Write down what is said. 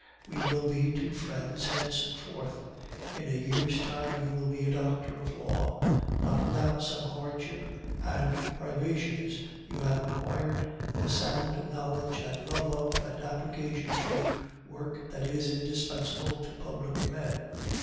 We will be two friends henceforth. In a year's time you will be a doctor of law. Not without some hardship and privations you have acquired the sound knowledge and the love of, and application to, work that is indispensable to public men.